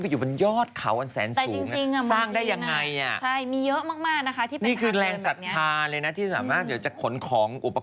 ปูนไซน์ได้ขึ้นไปหลังจากการสร้างใช่ปะ